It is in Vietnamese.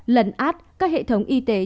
lấn át các hệ thống y tế